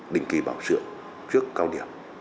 đình kỳ bảo sự trước cao điểm